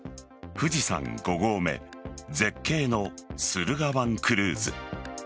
富士山五合目絶景の駿河湾クルーズ。